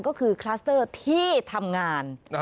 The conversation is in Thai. ก็คือคลัสเตอร์ที่ทำงาน